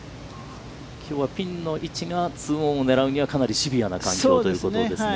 きょうは、ピンの位置がツーオンを狙うにはかなりシビアな環境ということですね。